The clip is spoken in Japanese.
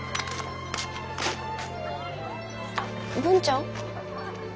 文ちゃん？